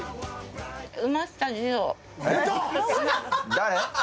誰？